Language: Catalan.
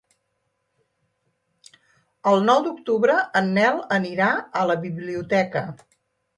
El nou d'octubre en Nel anirà a la biblioteca.